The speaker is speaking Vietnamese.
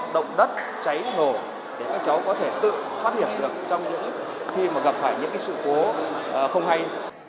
động đất cháy nổ để các cháu có thể tự phát hiện được trong những khi gặp phải những sự cố không hay